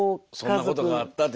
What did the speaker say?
そんなことがあったって。